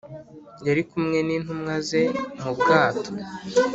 yari kumwe n intumwa ze mu bwato.